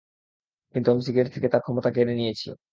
কিন্তু আমি সিগারেট থেকে তার ক্ষমতা কেড়ে নিয়েছি।